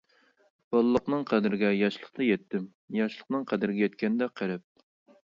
بالىلىقنىڭ قەدرىگە ياشلىقتا يەتتىم، ياشلىقنىڭ قەدرىگە يەتكەندە قېرىپ.